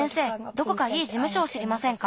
どこかいいじむしょをしりませんか？